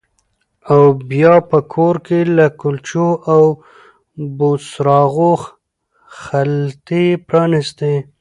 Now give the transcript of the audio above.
او بیا په کور کې د کلچو او بوسراغو خلطې پرانیستې